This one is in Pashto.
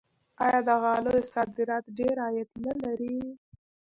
آیا د غالیو صادرات ډیر عاید نلري؟